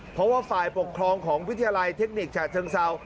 เพราะว่าฝ่ายปกครองของวิทยาลัยเทคนิคฉะเชิงเซา